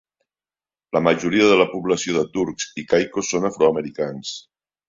La majoria de la població de Turks i Caicos són afroamericans.